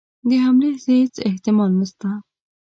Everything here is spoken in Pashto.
د حملې هیڅ احتمال نسته.